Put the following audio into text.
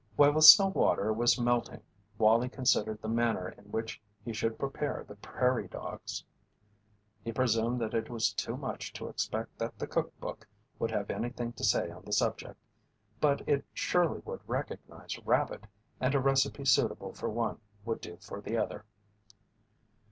While the snow water was melting Wallie considered the manner in which he should prepare the prairie dogs. He presumed that it was too much to expect that the cook book would have anything to say on the subject, but it surely would recognize rabbit, and a recipe suitable for one would do for the other.